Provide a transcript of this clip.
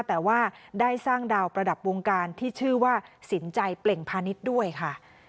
แต่ว่าได้สร้างดาวประดับวงการที่ชื่อว่าสินใจเปล่งพาณิชย์ด้วยค่ะ